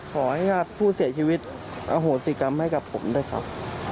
ขอให้ญาติผู้เสียชีวิตอโหสิกรรมให้กับผมด้วยครับ